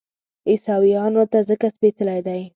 عیسویانو ته ځکه سپېڅلی دی.